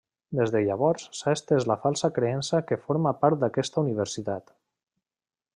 Des de llavors s'ha estès la falsa creença que forma part d'aquesta universitat.